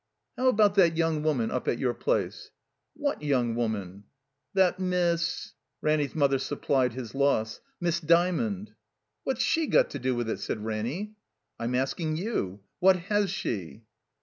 How about that young woman up at your place ?" What yotmg woman?" "That Miss—" Ranny 's mother supplied his loss. "Miss Dy mond." "What's she got to do with it?" said Ranny. "I'm asking you. What has she?"